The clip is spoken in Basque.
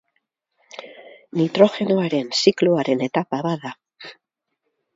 Nitrogenoaren zikloaren etapa bat da.